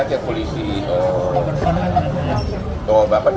ini pak denny oh ya pak denny